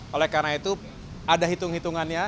oleh karena itu ada hitung hitungannya